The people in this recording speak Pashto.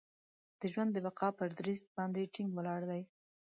د ژوند د بقا پر دریځ باندې ټینګ ولاړ دی.